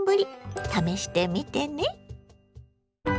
試してみてね。